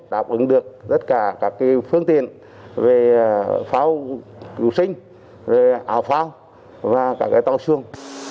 đảm ứng được tất cả các phương tiện về phao cứu sinh áo phao và tàu xuông